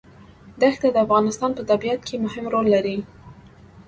دښتې د افغانستان په طبیعت کې مهم رول لري.